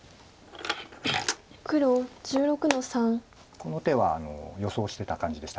この手は予想してた感じでした